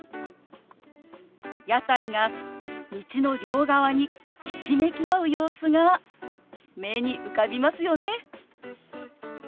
屋台が道の両側にひしめき合う様子が目に浮かびますよね。